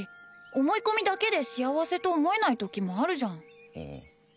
思い込みだけで幸せと思えないときもあるじゃん